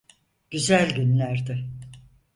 Güzel günlerdi.